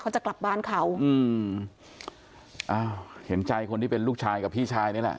จะกลับบ้านเขาอืมอ้าวเห็นใจคนที่เป็นลูกชายกับพี่ชายนี่แหละ